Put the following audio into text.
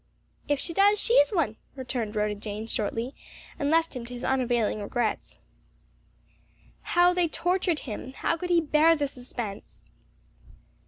"If she does she's one," returned Rhoda Jane shortly, and left him to his unavailing regrets. How they tortured him! how could he bear the suspense.